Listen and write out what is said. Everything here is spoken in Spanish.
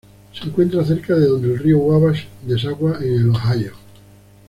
Se encuentra cerca de donde el río Wabash desagua en el Ohio.